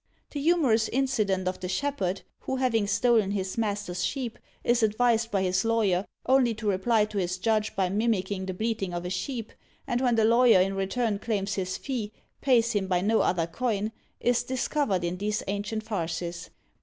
The humorous incident of the shepherd, who having stolen his master's sheep, is advised by his lawyer only to reply to his judge by mimicking the bleating of a sheep, and when the lawyer in return claims his fee, pays him by no other coin, is discovered in these ancient farces.